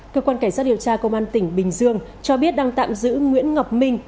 cơ quan cảnh sát điều tra công an tỉnh bình dương cho biết đang tạm giữ nguyễn ngọc minh